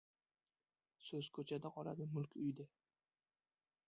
• So‘z ko‘chada qoladi, mulk ― uyda.